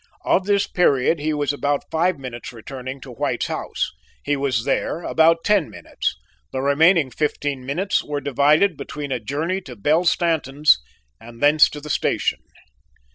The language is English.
Of this period, he was about five minutes returning to White's house; he was there about ten minutes; the remaining fifteen minutes were divided between a journey to Belle Stanton's and thence to the station.